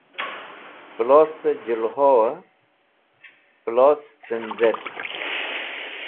Plosẽ jẽlhoẽ plos tẽncetk